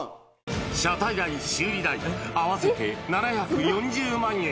車体代、修理代、合わせて７４０万円。